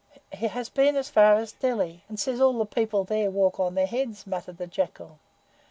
"He has been as far as Delhi, and says all the people there walk on their heads," muttered the Jackal.